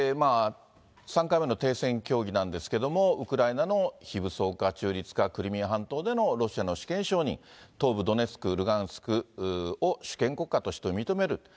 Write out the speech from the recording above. ３回目の停戦協議なんですけれども、ウクライナの非武装化、中立化、クリミア半島でのロシアの主権承認、東部ドネツク、ルガンスクを主権国家として認める。